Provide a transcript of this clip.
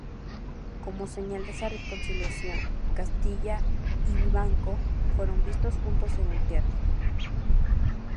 Como señal de esa reconciliación, Castilla y Vivanco fueron vistos juntos en el teatro.